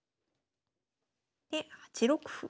で８六歩。